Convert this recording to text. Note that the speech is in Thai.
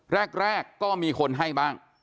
แรกก็มีคนให้บ้าง